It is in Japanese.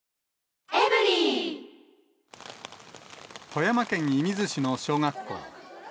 富山県射水市の小学校。